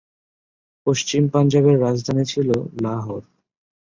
পশ্চিম পাঞ্জাবের রাজধানী ছিল লাহোর।